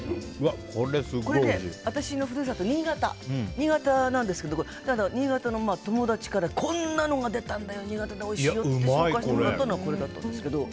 私の故郷が新潟なんですけど新潟の友達からこんなのが出たんだよ新潟でおいしいのって言って紹介してもらったのがこれだったんですけど。